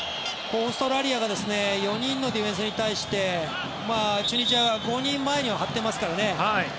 オーストラリアが４人のディフェンスに対してチュニジアが５人前には張ってますからね。